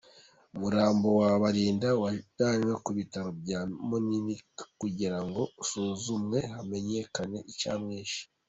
Umurambo wa Barinda wajyanywe ku Bitaro bya Munini kugira ngo usuzumwe hamenyekane icyamwishe.